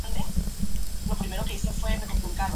Se plantó un jardín de parterres de flores y frutales.